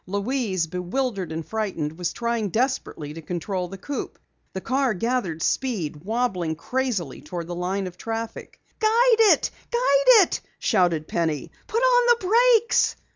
Louise, bewildered and frightened, was trying desperately to control the coupe. The car gathered speed, wobbling crazily toward the line of traffic. "Guide it! Guide it!" shouted Penny. "Put on the brakes!"